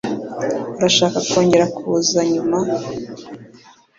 Urashaka kongera kuza nyuma?